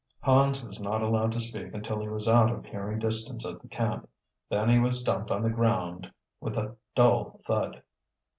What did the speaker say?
Hans was not allowed to speak until he was out of hearing distance of the camp. Then he was dumped on the ground with a dull thud.